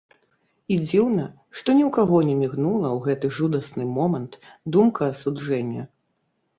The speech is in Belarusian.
І дзіўна, што ні ў каго не мігнула ў гэты жудасны момант думка асуджэння.